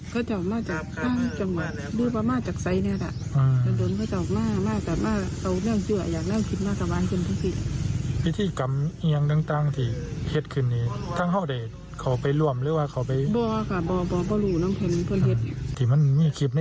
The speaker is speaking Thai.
ก่อนหน้านี้นะคะหลวงปู่ฤษฎีเณรเคยบววดพระพระจิงค่ะ